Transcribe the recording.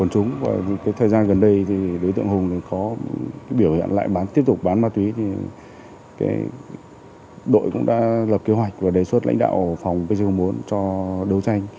có biểu hiện lại tiếp tục bán ma túy thì đội cũng đã lập kế hoạch và đề xuất lãnh đạo phòng pc bốn cho đấu tranh